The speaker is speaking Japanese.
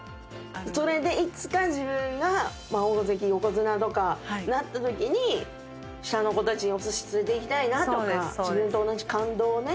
それでいつか自分が大関横綱とかなったときに下の子たちお寿司連れていきたいなとか自分と同じ感動をね